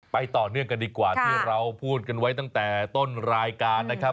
ต่อเนื่องกันดีกว่าที่เราพูดกันไว้ตั้งแต่ต้นรายการนะครับ